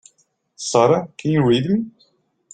Sara can you read me?